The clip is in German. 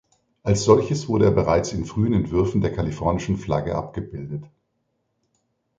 Als solches wurde er bereits in frühen Entwürfen der kalifornischen Flagge abgebildet.